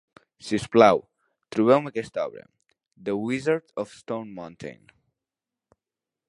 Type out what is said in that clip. Si us plau, trobeu-me aquesta obra, "The Wizard of Stone Mountain".